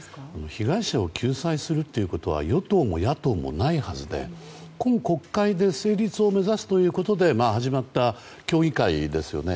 被害者を救済するってことは与党も野党もないはずで今国会で成立を目指すということで始まった協議会ですよね。